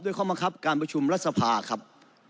ด้วยความบังคับการประชุมรัฐสภาครับ